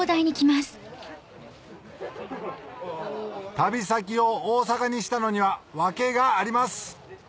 旅先を大阪にしたのには訳があります